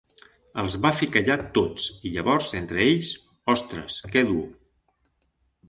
Els va fer callar tots, i llavors entre ells: Ostres, que dur.